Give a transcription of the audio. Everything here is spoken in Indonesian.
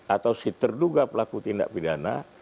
atau si terduga pelaku tindak pidana